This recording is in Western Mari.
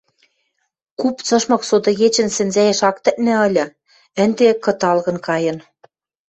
Куп цышмык сотыгечӹн сӹнзӓэш ак тӹкнӹ ыльы, ӹнде, кыталгын кайын